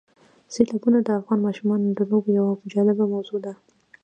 سیلابونه د افغان ماشومانو د لوبو یوه جالبه موضوع ده.